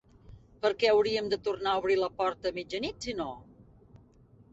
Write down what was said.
Per què hauríem de tornar a obrir la porta a mitjanit si no?